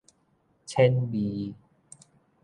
淺沬